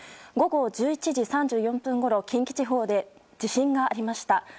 午後１１時３４分ごろ近畿地方で地震がありました。